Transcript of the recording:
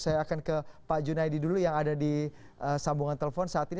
saya akan ke pak junaidi dulu yang ada di sambungan telepon saat ini